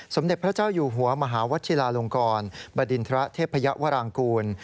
สมเด็จพระเจ้าอยู่หัวมหาวัชิลาลงกรบดินทระเทพยวรางกูล